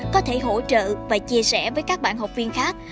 có thể hỗ trợ và chia sẻ với các bạn học viên khác